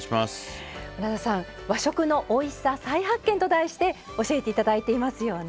村田さん「和食のおいしさ再発見！」と題して教えて頂いていますよね。